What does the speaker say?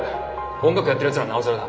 音楽やってるやつならなおさらだ。